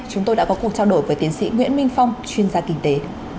chúng tôi đã có cuộc trao đổi với tiến sĩ nguyễn minh phong chuyên gia kinh tế